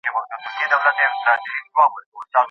کېدای سي ښوونځی بند وي.